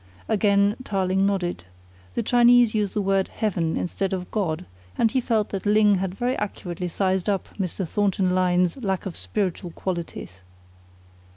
Again Tarling nodded. The Chinese use the word "heaven" instead of "God," and he felt that Ling had very accurately sized up Mr. Thornton Lyne's lack of spiritual qualities.